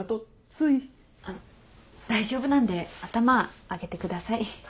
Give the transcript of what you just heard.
あっ大丈夫なんで頭上げてください。